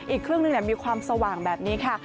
อีกครึ่งหนึ่งมีความสว่างแบบนี้ค่ะ